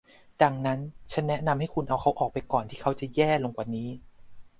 ดังนั้นฉันแนะนำให้คุณเอาเขาออกไปก่อนที่เขาจะแย่ลงกว่านี้